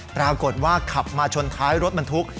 ปรากฏว่าขับมาชนท้ายรถบรรทุก